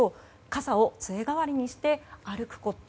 傘を杖代わりにして歩くこと。